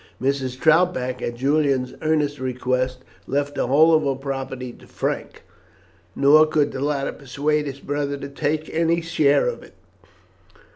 Mrs. Troutbeck, at Julian's earnest request, left the whole of her property to Frank, nor could the latter persuade his brother to take any share of it.